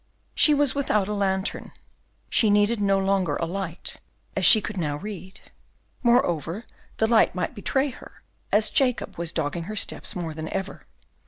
She was without a lantern. She needed no longer a light, as she could now read. Moreover, the light might betray her, as Jacob was dogging her steps more than ever.